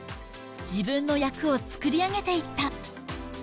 自分の役をつくり上げていった